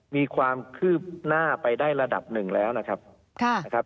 มีความคืบหน้าไปได้ระดับหนึ่งแล้วนะครับ